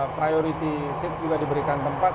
priority sains juga diberikan tempat